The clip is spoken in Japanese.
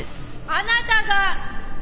あなたが！